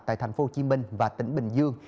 tại thành phố hồ chí minh và tỉnh bình dương